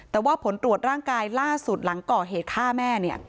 แต่ว่าผลตรวจร่างกายล่าสุดหลังก่อเหตุฆ่าแม่เนี่ย